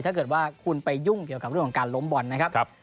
ถ้าเกิดว่าคุณไปยุ่งเกี่ยวกับเรื่องของการล้มบอลนะครับ